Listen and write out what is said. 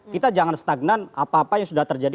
kita jangan stagnan apa apa yang sudah terjadi